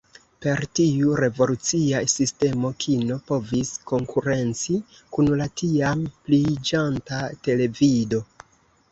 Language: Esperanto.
Per tiu revolucia sistemo kino povis konkurenci kun la tiam pliiĝanta televido.